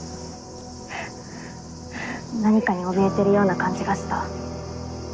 何かにおびえてるような感じがした。